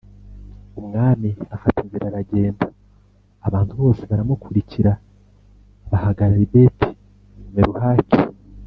Umwami afata inzira aragenda abantu bose baramukurikira bahagarara i Beti Meruhaki